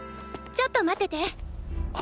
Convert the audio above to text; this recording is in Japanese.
ちょっと待ってて。